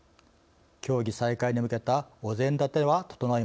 協議再開に向けたお膳立ては整えました。